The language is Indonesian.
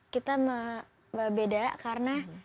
kita beda karena